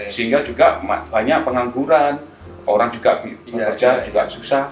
sehingga juga banyak pengangguran orang juga kinerja juga susah